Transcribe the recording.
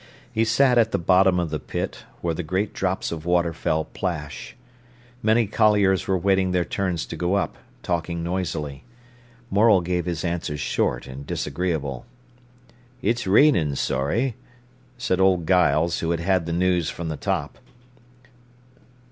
He sat at the bottom of the pit, where the great drops of water fell plash. Many colliers were waiting their turns to go up, talking noisily. Morel gave his answers short and disagreeable. "It's rainin', Sorry," said old Giles, who had had the news from the top.